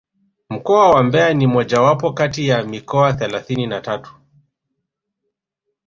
Mkoa wa mbeya ni mojawapo kati ya mikoa thelathini na tatu